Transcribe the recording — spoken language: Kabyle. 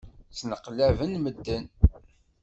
Ttneqlaben medden.